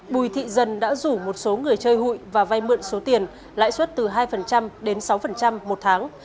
bùi thị dân đã rủ một số người chơi hụi và vay mượn số tiền lãi suất từ hai đến sáu một tháng